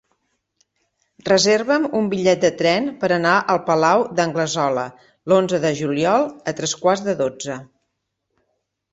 Reserva'm un bitllet de tren per anar al Palau d'Anglesola l'onze de juliol a tres quarts de dotze.